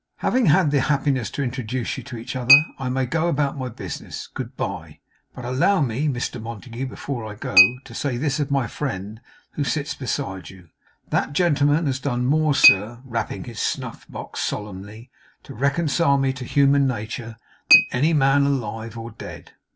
Having had the happiness to introduce you to each other, I may go about my business. Good bye. But allow me, Mr Montague, before I go, to say this of my friend who sits beside you: That gentleman has done more, sir,' rapping his snuff box solemnly, 'to reconcile me to human nature, than any man alive or dead.